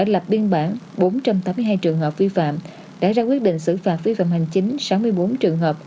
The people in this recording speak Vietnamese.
lập biên bản bốn trăm tám mươi hai trường hợp vi phạm đã ra quyết định xử phạt vi phạm hành chính sáu mươi bốn trường hợp